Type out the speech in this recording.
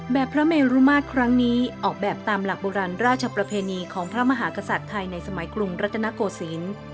พระเมรุมาตรครั้งนี้ออกแบบตามหลักโบราณราชประเพณีของพระมหากษัตริย์ไทยในสมัยกรุงรัตนโกศิลป์